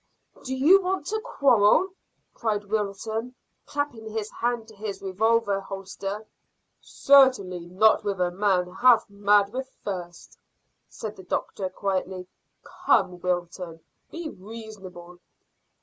"Do you want to quarrel?" cried Wilton, clapping his hand to his revolver holster. "Certainly not with a man half mad with thirst," said the doctor quietly. "Come, Wilton, be reasonable."